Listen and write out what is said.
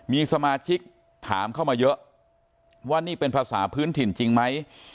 มีสมาชิกถามเข้ามาเยอะว่านี่เป็นภาษาพื้นถิ่นจริงไหม